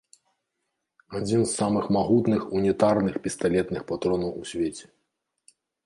Адзін з самых магутных унітарных пісталетных патронаў у свеце.